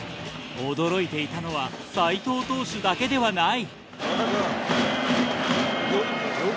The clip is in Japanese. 驚いていたのは斎藤投手だけではない。